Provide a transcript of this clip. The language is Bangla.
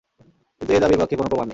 কিন্তু এ দাবির পক্ষে কোন প্রমাণ নেই।